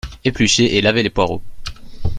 Éplucher et laver les poireaux